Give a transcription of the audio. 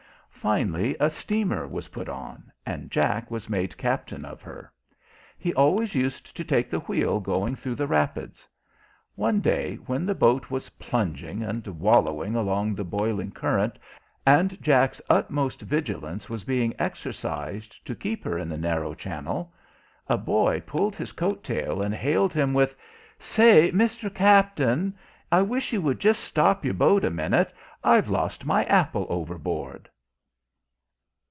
Finally a steamer was put on, and Jack was made captain of her. He always used to take the wheel going through the rapids. One day when the boat was plunging and wallowing along the boiling current, and Jack's utmost vigilance was being exercised to keep her in the narrow channel, a boy pulled his coat tail, and hailed him with: "Say, Mister Captain! I wish you would just stop your boat a minute I've lost my apple overboard!"